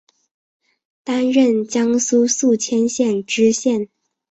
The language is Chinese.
担任江苏宿迁县知县。